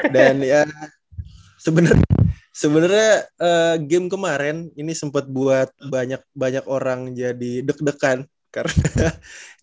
dan sebenernya game kemaren ini sempet buat banyak orang jadi deg degan karena